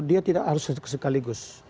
dia tidak harus sekaligus